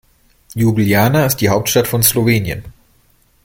Ljubljana ist die Hauptstadt von Slowenien.